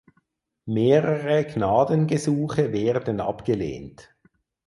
Mehrere Gnadengesuche werden abgelehnt.